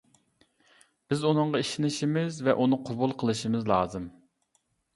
بىز ئۇنىڭغا ئىشىنىشىمىز ۋە ئۇنى قوبۇل قىلىشىمىز لازىم.